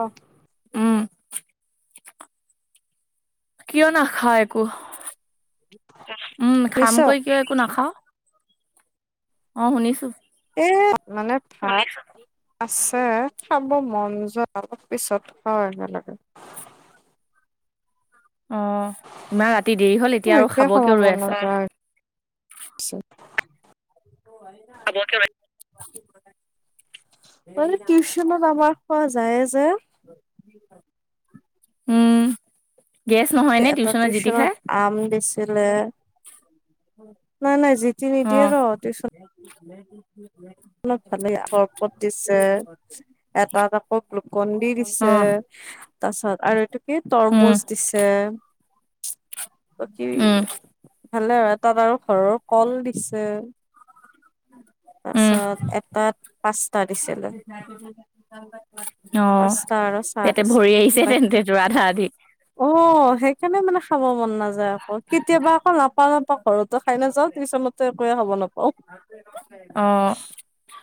অ'। উম, কিয় নাখাওঁ একো, উম' শুনিছ খামকৈ কিয় একো নাখাও? অ' শুনিছো। এ মানে ভাত আছে, খাব মন যোৱা অলপ পিছত খাম একেলগে। অ' ইমান ৰাতি দেৰি হল, মোৰ এতিয়া আৰু একোৱে খাব কিয় মন ৰৈ আছ? নোযোৱা হৈ [unintelligible] [unintelligible] মানে টিউচনত আমাৰ খোৱা যায়ে যে। উম, গেছ নহয় নে টিউচনত জিতি খাই? আম দিছিলে। নাই নাই জিতি নিদিয়ে অ', ন' টিউচন [unintelligible] অলপ ভালে, চৰবত দিছে, এটা কাপত গ্লুকনদি দিছে। অ', তাৰছত আৰু এইটো কি উম, তৰমুজ দিছে, বাকি উম, ভালে, এটাত আৰু ঘৰৰ কল দিছে। তাৰ উম, পিছত এটাত পাঁচটা দিছিলে। অ' পাঁচটা আৰু চাহ পেট দিছে ভৰি আহিছে বাকী তেন্ত তোৰ আধা আধি। অ' সেইকাৰণে মানে খাব মন নাযায়। অ' কেতিয়াবা আকৌ নাপা নাপাওঁ কৰোঁ, ঘৰতো খাই নাযাওঁ টিউচনতো একোৱে খব নাপাওঁ। অ'। [inaudible]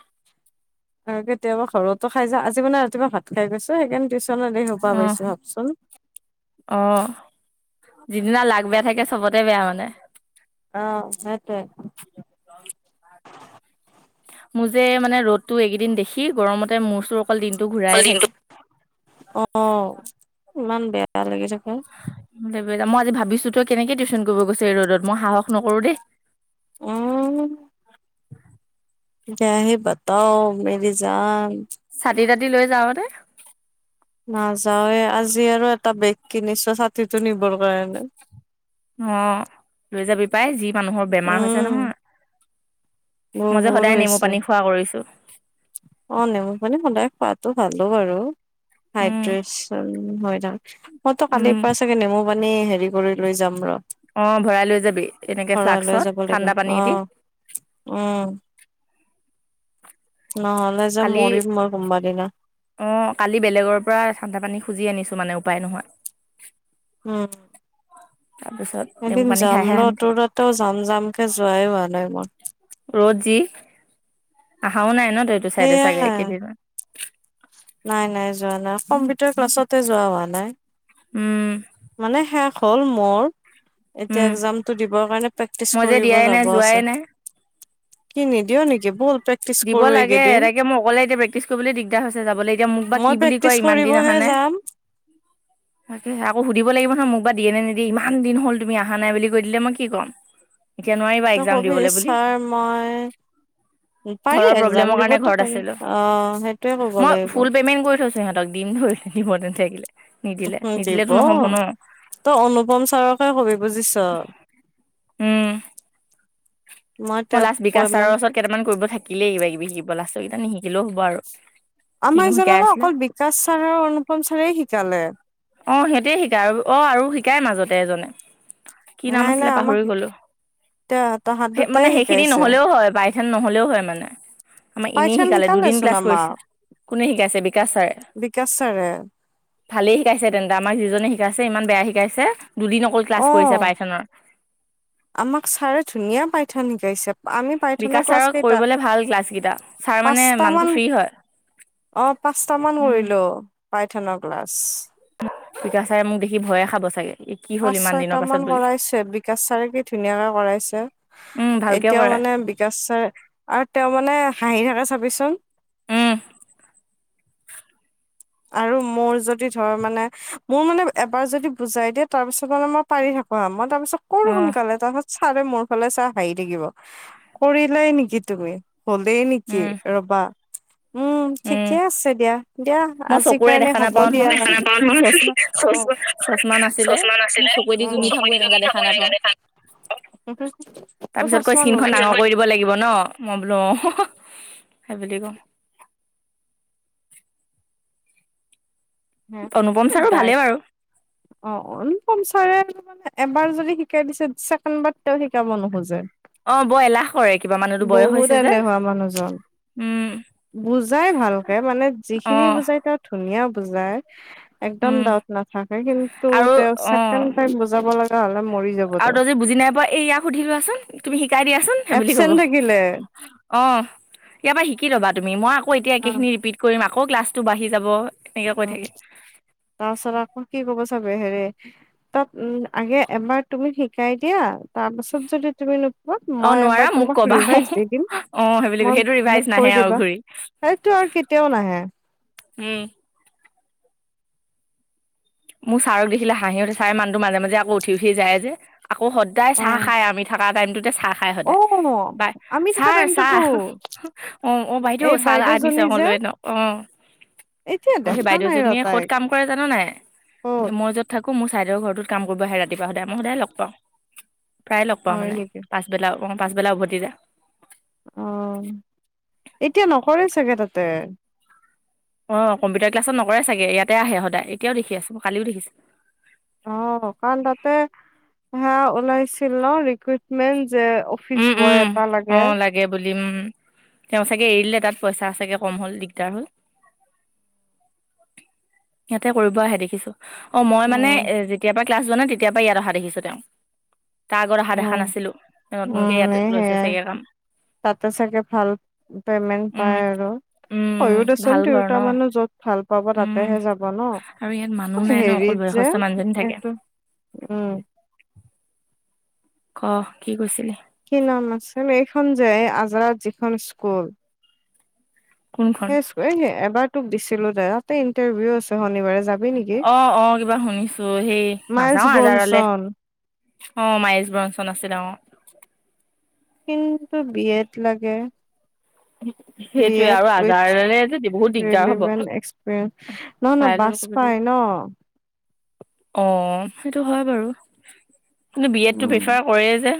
আৰু কেতিয়াবা ঘৰতো খাই যাওঁ। আজি মানে ৰাতিপুৱা ভাত খাই গৈছোঁ, সেইকাৰণে টিউশ্যনত এই সোপা অ', পাইছোঁ ভাবচোন। অ', যিদিনা লাক বেয়া থাকে, চবতে বেয়া মানে। অ' সেইটোৱে। মোৰ যে মানে ৰ'দটো এইকেইদিন দেখি, গৰমতে মূৰ চোৰ অকল দিনটো ঘূৰা [unintelligible] অ' অ' ইমান বেয়া লাগি থাকে। মই আজি ভাবিছোঁ তই কেনেকে টিউশন কৰিব গৈছ এই ৰ'দত, মই সাহস নকৰো দেই। উম। কিয়া হে বাতাও, মেৰি যান। ছাতি তাতি লৈ যাওঁ নে? নাযাওয়ে, আজি আৰু এটা বেগ কিনিছোঁ, ছাতিটো নিবৰ কাৰণে। অ', লৈ যাবি পাই, যি মানুহৰ বেমাৰ উম হৈছে নহয়। মই যে বহুত সদায় নেমু হৈছে পানী খোৱা কৰিছোঁ। অ', নেমু পানী সদায় খোৱাতো ভালোঁ বাৰু। উম, হাইড্ৰেছন হয় না', মইতো কালিৰ উম, পৰা চাগে নেমু পানি হেৰি কৰি লৈ যাম ৰ'। অ', ভৰাই লৈ যাবি, এনেকে ভৰাই লৈ যাব ফ্লাস্কসত, লাগিব ঠাণ্ডা অ পানী এদি। উম। নহ'লে যে কালি মৰিম মই কোনোবা দিনা। অ', কালি বেলেগৰ পৰা ঠান্দা পানী খুজি আনিছোঁ, মানে উপায় নোহোৱাত। তাৰপিছত উম। নেমু এদিন পানী যাম খাইহে ৰ', শান্তি তোৰ ততেও যাম-যামকে যোৱাই হোৱা নাই মই। ৰ'দ যি, আহাও নাই ন', তই এইটো চাইডে চাগে কেইদিনম। নাই-নাই যোৱা নাই, কম্পিউটাৰ ক্লাছতে যোৱা হোৱা নাই। উম। মানে শেষ হ'ল মোৰ। এতিয়া উম, এক্জামটো দিবৰ কাৰণে প্ৰেক্টিচ মই যে কৰিব দিয়াই নাই যাব যোৱাই আছে। নাই কিনি দিও নেকি, বল প্ৰেক্টিচ দিব কৰো লাগে, এইকেইদিন তাকে মোৰ অকলে এতিয়া প্ৰেক্টিছ কৰিবলৈ দিগদাৰ হৈছে যাবলে। মই প্ৰেক্টিচ কৰিবলৈ যাম। তাকে, আকৌ সুধিব লাগিব নহয়, মোক বা দিয়ে নিদিয়ে, ইমান দিন হ'ল তুমি আহা নাই বুলি কৈ দিলে, মই কি ক'ম। [unintelligible] এতিয়া নোৱাৰিবা। তই এক্সাম কবি, দিবলৈ বুলি চাৰ মই পাৰি, ঘৰৰ একযাম প্ৰব্লেমৰ কাৰণে দিবতো ঘৰত পাৰি, অ', সেইটোয়ে ক'ব লাগিব। পেমেট কৰি থৈছোঁ সিহঁতক। দিম ধৰি লৈ [unintelligible] নাথাকিলে। নিদিলে উম, দিব, নিদিলেতো নহ'ব ন তই অনুপম ছাৰকে কবি বুজিছ। উম [unintelligible] মই তেওঁক লাষ্ট কৈ বিকাশ মান চাৰৰ ওচৰত কেইটামান কৰিব থাকিলেই কিবা-কিবি শিকিব, লাষ্টৰ কেইটা নিশিকিলেও হ'ব আৰু। কিনো আমাক শিকাই জাননে, আছিলে অকল বিকাশ ছাৰ আৰু অনুপম ছাৰে শিকালে। অ', সিহঁতে শিকায়, আৰু অ', আৰু শিকায় মাজতে এজনে। কি নাম নাই নাই আছিলে আমাক পাহৰি গলোঁ, তাহাঁত দুটাই মানে সেইখিনি শিকাইছে নহলেও হয়, বাই। নহলেও হয় মানে, আমাৰ এনেই পাইথন শিকালে দুদিন শিকালেচোন ক্লাছ কৰিছে। আমাক কোনে শিকাইছে, বিকাশ ছাৰে? বিকাশ ছাৰে ভালেই শিকাইছে তেন্তে, আমাক যিজনে শিকাইছে, ইমান বেয়া শিকাইছে, দুদিন অকল ক্লাছ অ কৰিছে পাইথনৰ। আমাক চাৰে ধুনীয়া পাইথান শিকাইছে। আমি পাইথানৰ বিকাশ ক্লাছ ছাৰক কেইটা, কৰিবলৈ ভাল ক্লাছকেইটা ছাৰ মানে পাঁচটা মানুহটো মান ফ্ৰী হয় অ', পাঁচটামান উম কৰিলোঁ পাইথানৰ ক্লাছ। বিকাশ চাৰে মোক দেখি ভয়ে খাব চাগে। কি হ'ল পাঁচ ইমান দিনৰ ছয়টা পাছত মান বুলি কৰাইছে, বিকাশ চাৰে কি ধুনীয়াকে কৰাইছে। উম ভালকে এতিয়াও কৰে মানে বিকাচাৰ, আৰু তেওঁ মানে হাঁহি থাকে চাবিচোন। উম আৰু মোৰ যদি ধৰ মানে মোৰ মানে এবাৰ যদি বুজাই দিয়ে তাৰপিছত মানে মই পাৰি থাকো মই তাৰপিছত কৰো অ সোনকালে তাৰত ছাৰে মোৰ ফালে চাই হাঁহি থাকিব। কৰিলায় নেকি তুমি? হলেই নেকি উম ৰবা উম, ঠিকে আছে দিয়া, দিয়া। মই আজি চকুৰে কাৰণে দেখা হ'ব নাপাও দিয়া নহয় [unintelligible] চচমা চচ চচমা নাছিলে চচা মোৰ আছিলে। চকুৱেদি জুমি থাকো এনেকা দেখা নাপাও ত তাৰ পিছত কৈ চচমান ল স্কিনখন অ' চমা ডাঙৰ ললিত। কৰি [unintelligible] দিব লাগিব ন মই বোলো অ' হ হ হ সেই বুলি কও। হম অনুপম ছাৰো ডাইট ভালেই বাৰু। অ' অনুপম চাৰে মানে এবাৰ যদি শিকাই দিছে চছেকেণ্ড বাৰ তেওঁ শিকাব নোখোজে। অ বৰ এলাহ কৰে কিবা মানুহতো বয়স বহুত হৈছে যে এলেহুৱা মানুহজন। উম বুজাই ভালকে মানে যিখিনি অ', বুজাই তেওঁ ধুনীয়া বুজাই। একদম উম, দাউট নাথাকে কিন্তু আৰু তেওঁক ছেকেণ্ড অ', টাইম বুজাব লগা হলে মৰি যাব আৰু তেওঁ তজি বুজি নাই পোৱা এই ইয়াক সুধি লোৱাচোন তুমি শিকাই দিয়াচোন সে বুলি ক'ব। এবচেণ্ট থাকিলে অ' ইয়াৰ পৰা শিকি ল'বা তুমি মই আকৌ এতিয়া অ একেইখিনি ৰিপিট কৰিম আকৌ ক্লাছটো বাঢ়ি যাব। এনেকে কৈ উম, থাকে তাৰছত আকৌ কি কব চাগে হেৰে তাত উম, আগে এবাৰ তুমি শিকাই দিয়া তাৰ পাছত যদি তুমি নোপোৱা অ', মই নোৱাৰা এবাৰ মোক তোমাক ক'বা ৰিভাইজ দি দিম। অ', সেই বুলি কৈ মই সেইটো ৰিভাইজ মোক নাহে কৈ আৰু দিবা ঘূৰি সেইতটো আৰু কেতিয়াও নাহে। উম, মোৰ ছাৰক দেখিলে হাঁহি উঠে ছাৰে মানুহটো মাজে, মাজে আকৌ উঠি, উঠি যায় যে আকৌ সদায় চাহ অ', খাই আমি থাকা টাইমটোতে চাহ খা চাই সদায় অ', বাই আমি থকা ছাৰ, টাইমটোতো ছাৰ অ'অ' বাইদেউ এই ছাহ আনিছে বাইদেউজনী অ' যে লৈ ল। এতিয়া অ'অ' সেই দেখা বাইদেউ নাই ৰ জনীয়ে ক'ত তাইক কাম কৰে জানা নাই। ক'ত মই য'ত থাকো মোৰ ছাইদৰ ঘৰতোত কাম কৰিব আহে ৰাতিপুৱা সদাই মই সদায় লগ পাওঁ। প্ৰায় লগ পাও হয় মানে নেকি পাচবেলাও অ' পাচবেলা উভতি যায়। অ' এতিয়া নকৰে চাগে তাতে? অ' কম্পউটাৰ ক্লাছত নকৰে ছাগে ইয়াতে আহে সদায় এতিয়াও দেখি আছো মই কালিও দেখিছো। অ' কাৰণ তাতে সে ওলাইছিল ন ৰিক্ৰুইটমেন্ট যে অফিচ বয় এটা লাগে। সেই বুলি উম তেওঁ চাগে এৰি দলে তাত পইচা চাগে কম হ'ল দিগদাৰ হ'ল। [inaudible] সিহঁতে কৰিব আহে দেখিছো। অ' মই মানে উম, এ যেতিয়াৰ পৰা ক্লাছ যোৱা নাই তেতিয়াৰ পৰা ইয়াত অহা দেখিছো তেওঁ তাৰ আগত আহা দেখা নাছিলো। উ, নতুনকে ইয়াত এ লৈছে সেয়াই চাগে কাম ছাত্ৰ-ছাত্ৰী ভাল পামেন্ট উম পায় আৰু। হয় উম দেচোন ভাল ঘৰ ন তিৰোতা মানুহ যত ভাল পাব উম তাতেহে যাব ন। আৰু ইয়াত মানুহ অ' নাই ন অকল হেৰিত যে বয়সস্থ মানুহজনী থাকে এইটো উম, ক কি কৈছিলি? কি নাম আছে এইখন যে আজ্ৰাত যিখন স্কুল? কোনখন সেই এবাৰ তোক দিছিলো যে তাতে ইণ্টাৰভিউ আছে শনিবাৰে যাবি নেকি? অ'অ' কিবা শুনিছো সেই মাইলছ নাযাও আজাৰালে। ব্ৰনচন অ' মায়েশ ব্ৰচন আছিল ডাঙৰ কিন্তু বিয়েড লাগে। সেইটোয়ে বিয়েড আৰু উইথ আজাৰালে যে বহুত দিগদাৰ হ'ব ৰিলিভেণ্ট এক্সপে। ন ন চাই লৈ বাছ ক'ব লাগিব। পায় ন' অ' সেইটো হয় বাৰু কিন্তু বি এডটো উম প্ৰিফাৰ কৰে যে।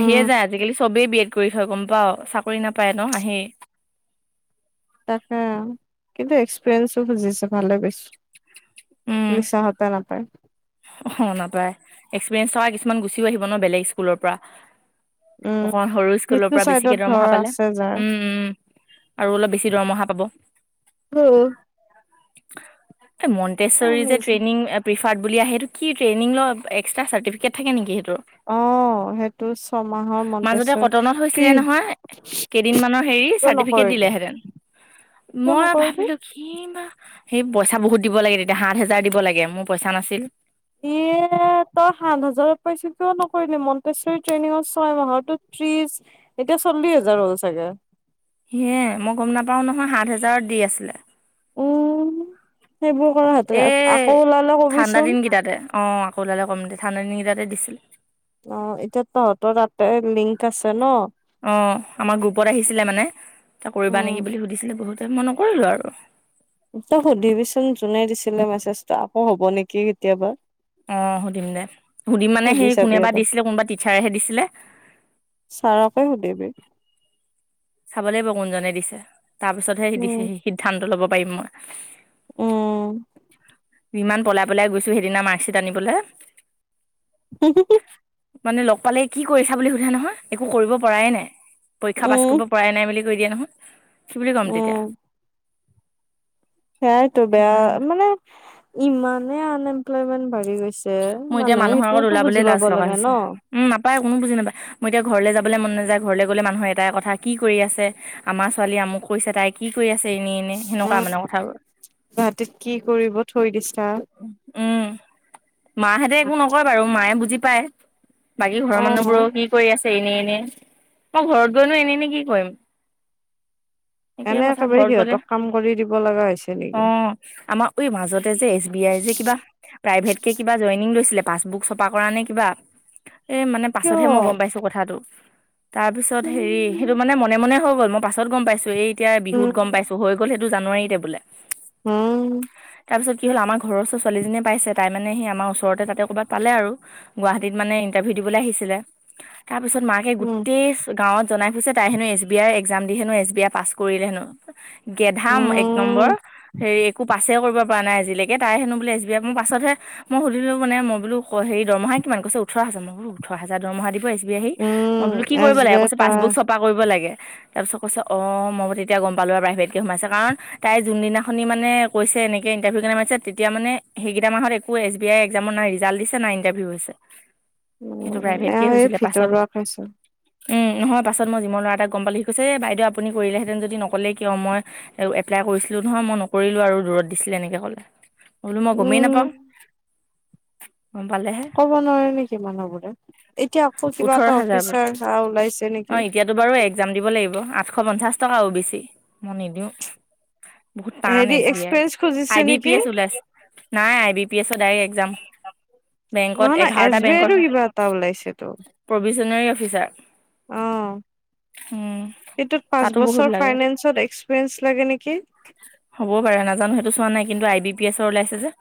আহিয়ে যায় আজিকালি চবেই বি এড কৰি থয় গম পাৱ চাকৰি নাপায় ন আহেই। তাকে কিন্তু এক্সপেৰিয়েঞ্চও খুজিছে ভালে পাইছোঁ। উম। লিছাহঁতে নাপায়। অ' নাপায় এক্সপিৰিয়েঞ্চ থকা কিছুমান গুচিও আহিব ন বেলেগ স্কুলৰ পৰা। উম অকমান সৰু স্কুলৰ সেইটো পৰা চাইডত বেছিকে ধৰ দৰমহা পালে আছে যাৰ উম - উম। আৰু অলপ বেছি দৰমহা পাব। অ' এ মন্তেশ্বৰী যে ট্ৰেনিইং এপ্ৰিফাৰড বুলি আহে এইটো। কি ট্ৰেইনিং ল' একট্ৰা চাৰ্টিফিকেট থাকে নেকি ইহঁতৰ। অ' অ' সেইটো ছমাহৰ মাজতে মন্তচৰ কটনত হৈছিলে ফ্ৰী নহয় কেইদিনমানৰ হেৰি চাৰ্টিফিকেট নকৰিলে। [inaudible] দিলেহেঁতেন। মই ভাবিলোঁ। [unintelligible] বা সি পইচা বহুত দিব লাগে তেতিয়া সাত হাজাৰ দিব লাগে মোৰ পইচা নাছিল। এ তই সাত হাজাৰত পাইছ কিয় নক। কৰি মন্তেশ্বৰী ট্ৰেইনিংত ছয় মাহৰতো ত্ৰিশ এতিয়া চল্লিশ হাজাৰ হ'ল চাগে। সেয়ে মই গম নাপাওঁ নহয় সাত হেজাৰত দি আছিলে। উম সেইবোৰ কৰা হতে এ আকৌ ওলালে ঠাণ্ডা কবিচোন। দিনকেইটাতে অ' আকৌ ওলালে কম দে ঠাণ্ডা দিন গীতাতে দিছিল। অ' এতিয়া তহঁতৰ তাতে লিংক আছে ন' অ', আমাৰ গ্ৰুপত আহিছিলে মানে ত কৰিবা উম, নেকি বুলি সুধিছিলে বহুতে মই নকৰিলো আৰু তই সুধিবিচোন যোনে মেছেজটো আকৌ হ'ব নেকি কেতিয়াবা অ', সুধিম দে সুধিম মানে সুধি সেই চাবি কোনেবা এবাৰ, দিছিলে কোনোবা টিচাৰেহে দিছিলে। ছাৰকে সুধিবি চাব লাগিব কোনজনে দিছে তাৰ পিছতহে সি দিছে উম, সি সিদ্ধান্ত লব পাৰিম মই উম', ইমান পলাই পেলাই গৈছো। সেইদিনা মাৰ্কশ্বিট আনিবলৈ [inaudible] মানে লগ পালে কি কৰিছা বুলি সোধা নহয় একো কৰিব পৰাই নাই। পৰীক্ষা পাছ উম, কৰিব পৰাই নাই বুলি কৈ দিয়ে নহয় কি বুলি কম তেতিয়া উম, সেয়াইতটো বেয়া সেইকাৰণে, মানে, ইমানে আনএমপ্লয়মেন্ট বাঢ়ি গৈছে। যে মোৰ এতিয়া মানুহে মানুহৰ আগত সেইটোওতো বুজি ওলাবলৈ লাজ পাব লগা লাগে ন হৈছে। উম', নাপায় কোনো বুজি নাপায়। মই এতিয়া ঘৰলৈ যাবলৈ মন নাযায় ঘৰলে গলে মানুহৰ এটাই কথা কি কৰি আছে। আমাৰ ছোৱালী আমুক কৰিছে তাইক কি কৰি আছে। এনে -এনে সেনেকুৱা উম। মানে কথাবোৰ গুৱাহাটীত কি কৰিব থৈ দিছা উম', মাহেতে একো বাৰু মায়ে বুজি পায়। বাকী অ মানুহবোৰো সি কৰি আছে। এনে- এনে মই ঘৰত গৈনো এনেই এনে কি কৰিম? সে একে এনে কথা একেবাৰে ঘৰত গ'লে সিহঁতক কাম কৰি দিব লগা হৈছে নেকি অ' আমাৰ ঐ মাজতে যে এছ বি আই যে কিবা প্ৰাইভেট কে কিবা জইনিং লৈছিলে পাছবুক চফা কৰা নে কিবা এই মানে কিয়? পাছতহে মই গম পাইছোঁ। কথাটো তাৰপিছত হেৰি উম সেইটো মানে মনে মনে হৈ গল মই পাছত গম পাইছো এই এতিয়া বিহুত গম উম পাইছো হৈ গ'ল সেইটো জানুৱাৰীতে বোলে। উম', তাৰপছত কি হল, আমাৰ ঘৰৰ ওচৰ ছোৱালীজনী এজনীয়ে পাইছে। তাই মানে সি আমাৰ ওচৰতে তাতে ক'ৰবাত পালে আৰু, গুৱাহাটীত মানে ইণ্টাৰভিউ দিবলৈ আহিছিলে। তাৰপিছত মা কে গোটেই গাঁৱত জনাই ফুৰিছে তাই হেনো এ বি আই এক্সাম দি হেনো এছ বি আই পাছ কৰিলে হেনো। গেধা ম এক উম নম্বৰ, হেৰি একো পাছে কৰিব পৰা নাই আজিলৈকে, তাই হেনো বোলে এছ বি আই মই পাছতে হে মই সুধিলোঁ মানে মই বোলো হেৰি দৰমহা কিমান, কৈছে ওঠৰ হাজাৰ মই বোলো ওঠৰ হাজাৰ দৰমহা দিব এছ আহি মই উম বোলো কি কৰিব লাগে, এজবেৰ কৈছে পাৰ পাছবুক চপা কৰিব লাগে। তাৰপিছত কৈছে, অঁ মই তেতিয়া গম পালো আৰু প্ৰাইভেটকে সোমাইছে কাৰণ তাই যোনদিনাখনি মানে কৈছে, এনেকে ইণ্টাৰভিউ কাৰণে মাতিছে তেতিয়া মানে সেইকেই টা মাহত একো এছ বি আই এক্সামৰ নাই, ৰিজাল্ট দিছে না ইণ্টাৰভিউ হৈছে। সেইটো প্ৰাইভেটকে এই হৈছিলে পাছত ভিতৰুৱা খাইছো উম, নহয় পাছত মই জিমৰ ল'ৰা এটাই গম পালে সি কইছে এ বাইদেউ আপুনি কৰিলেহেতেন যদি নকলে কিয় মই এপ্লাই কৰিছিলো নহয়, মই নকৰিলো আৰু দূৰত দিছিলে এনেকে কলে। বোলো মই গমেই উম নাপাওঁ, গম পালেহে। কব নোৱাৰে নেকি মানুহ বোৰে, এতিয়া আকৌ কিবা ওঠৰ এটা হাজাৰ বোলে। অফিচাৰ ওলাইছে অ' নেকি। এতিয়াতো বাৰু এক্সাম দিব লাগিব, আঠশ পঞ্চাছ টকা অ বি চি মই নিদিওঁ। বহুত টান হেৰি এছ বি আই, এক্সপিৰিয়েঞ্চ খুজিছে আই বি পি এচ নেকি? ওলাইছে। নাই I B P S direct exam, বেংকত নহয় নহয় এছ এঘাৰটা বি বেংকৰ আইতো কিবা এটা ওলাইছেতো প্ৰভিচনোৰী অফিচাৰ। অঁ, উম, এইটোত পাঁচ তাতো বহুত বছৰ লাগে। ফাইনেন্সত এক্সপিৰিয়েঞ্চ লাগে নেকি। হ'ব পাৰে নাজানো সেইটো চোৱা নাই, কিন্তু আই বি পি এছ ওলাইছে যে।